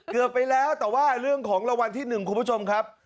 เกือบไปแล้วแต่ว่าเรื่องของรางวัลที่๑คุณผู้ชมครับ